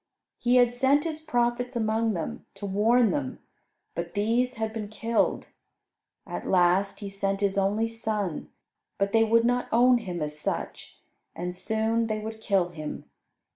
He had sent His prophets among them, to warn them, but these had been killed. At last He sent His only Son, but they would not own Him as such, and soon they would kill Him.